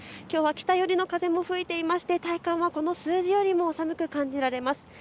きょうは北寄りの風も吹いていまして体感はこの数字よりも寒く感じられます。